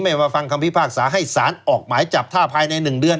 มาฟังคำพิพากษาให้สารออกหมายจับถ้าภายใน๑เดือน